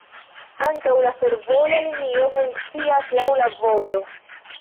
Ankaŭ la fervojaj linioj funkcias laŭ la vojoj.